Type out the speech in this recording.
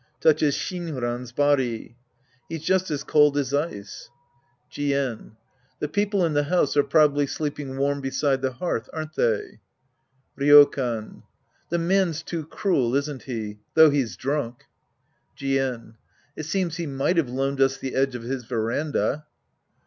{Touches Shinran's body^ He's just as cold as ice. Sc. II The Priest and His Disciples 33 Jien. The people in the house are probably sleep ing warm beside the hearth, aren't they ? Ryokan. The man's too cruel, isn't he ? Though he's drunk. /ien. It seems he might have loaned us the edge of liis veranda.